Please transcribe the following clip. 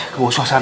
kewas suasana ini